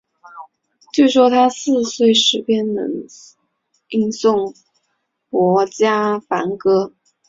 据说他四岁时便能吟诵薄伽梵歌。